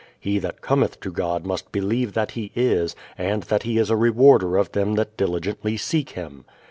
"He that cometh to God must believe that he is, and that he is a rewarder of them that diligently seek him."